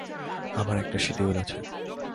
আমার একটা শিডিউল আছে।